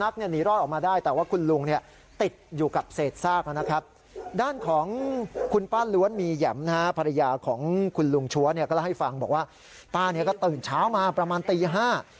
เขาแล้วให้ฟังบอกว่าป้าเนี่ยก็ตื่นเช้ามาประมาณตีห้า